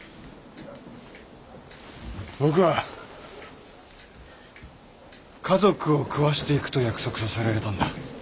僕は家族を食わしていくと約束させられたんだ。